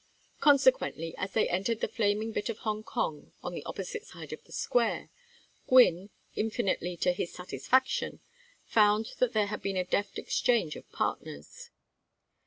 Consequently, as they entered the flaming bit of Hong Kong on the opposite side of the square, Gwynne, infinitely to his satisfaction, found that there had been a deft exchange of partners.